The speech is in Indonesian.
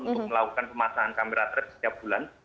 untuk melakukan pemasangan kamera trap setiap bulan